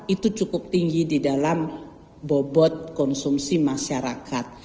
itu cukup tinggi di dalam bobot konsumsi masyarakat